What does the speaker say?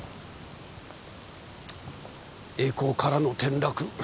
栄光からの転落。